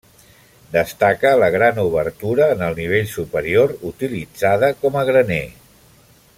Destaca la gran obertura en el nivell superior utilitzada com a graner.